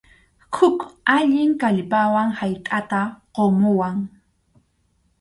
Huk allin kallpawan haytʼata qumuwan.